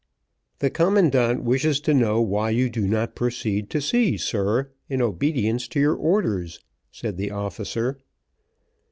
"The commandant wishes to know why you do not proceed to sea, sir, in obedience to your orders," said the officer.